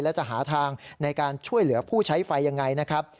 และจะหาทางในการช่วยเหลือผู้ใช้ไฟยังไงนะครับ